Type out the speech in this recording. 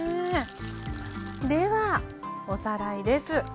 ではおさらいです。